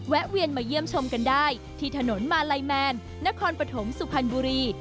แวนมาเยี่ยมชมกันได้ที่ถนนมาลัยแมนนครปฐมสุพรรณบุรี